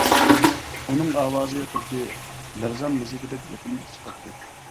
ئۇنىڭ ئاۋازى خۇددى لەرزان مۇزىكىدەك يېقىملىق چىقاتتى.